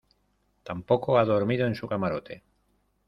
tampoco ha dormido en su camarote.